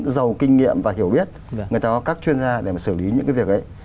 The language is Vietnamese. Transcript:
giàu kinh nghiệm và hiểu biết người ta có các chuyên gia để mà xử lý những cái việc ấy